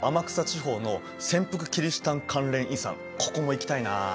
そうここも行きたいなあ。